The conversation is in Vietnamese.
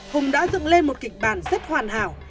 hùng đã dựng lên một kịch bản rất hoàn hảo